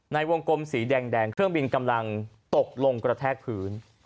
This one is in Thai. ในวงกลมสีแดงเครื่องบินกำลังตกลงกระแทกพื้น